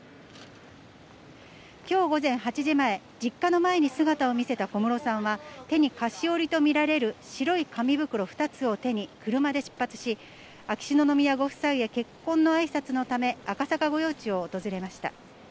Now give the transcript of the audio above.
きょう午前８時前、実家の前に姿を見せた小室さんは、手に菓子折りと見られる白い紙袋２つを手に車で出発し、秋篠宮ご夫妻へ結婚のあいさつのため、赤坂御用地を訪れました。